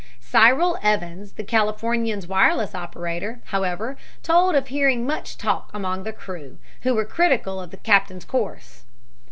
Cyril Evans, the Californian's wireless operator, however, told of hearing much talk among the crew, who were critical of the captain's course.